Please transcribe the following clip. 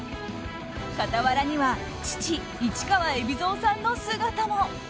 傍らには父・市川海老蔵さんの姿も。